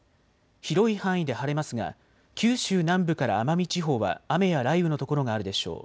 広い範囲で晴れますが九州南部から奄美地方は雨や雷雨の所があるでしょう。